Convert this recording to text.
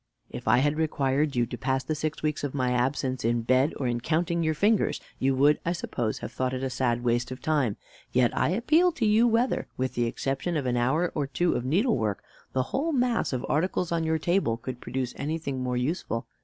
If I had required you to pass the six weeks of my absence in bed or in counting your fingers, you would, I suppose, have thought it a sad waste of time; and yet I appeal to you whether (with the exception of an hour or two of needlework) the whole mass of articles on your table could produce anything more useful.